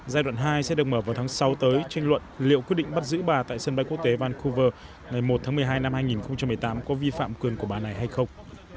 giai đoạn hai sẽ được mở vào tháng sáu tới tranh luận liệu quyết định bắt giữ bà tại sân bay quốc tế vancouver ngày một tháng một mươi hai năm hai nghìn một mươi tám có vi phạm quyền của bà này hay không